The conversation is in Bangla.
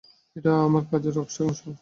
এটা আমার কাজের একটা অংশ।